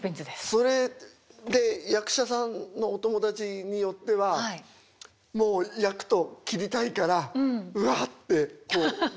それで役者さんのお友達によってはもう役と切りたいからうわってこう下北沢で飲んだりとかね？